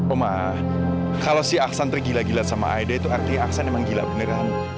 om kalau si aksan tergila gila sama aida itu artinya aksan emang gila beneran